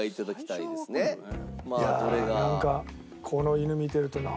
いやなんかこの犬見てるとなんか。